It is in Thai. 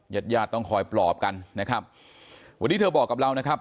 ญาติญาติต้องคอยปลอบกันนะครับวันนี้เธอบอกกับเรานะครับ